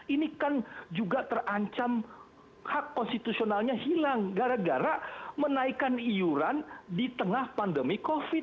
ini kan juga terancam hak konstitusionalnya hilang gara gara menaikan iuran di tengah pandemi covid